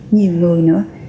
nhiều người nữa